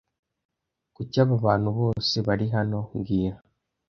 Kuki aba bantu bose bari hano mbwira